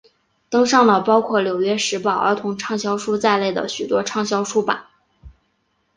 登上了包括纽约时报儿童畅销书在内的许多畅销书榜。